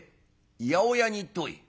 「八百屋に行ってこい」。